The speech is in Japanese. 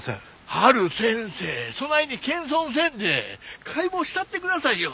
陽先生そないに謙遜せんで解剖したってくださいよ。